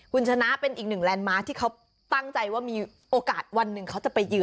คุณชนะเป็นอีกหนึ่งแลนด์มาร์คที่เขาตั้งใจว่ามีโอกาสวันหนึ่งเขาจะไปเหยื